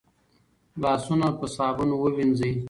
لاسونه په صابون ووينځئ